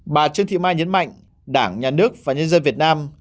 bà trương thị mai nhấn mạnh đảng nhà nước và nhân dân việt nam